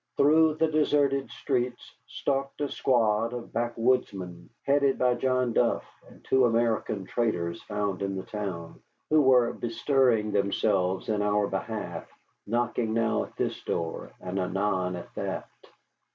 Through the deserted streets stalked a squad of backwoodsmen headed by John Duff and two American traders found in the town, who were bestirring themselves in our behalf, knocking now at this door and anon at that.